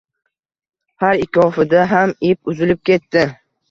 Har ikkovida ham ip uzilib ketdi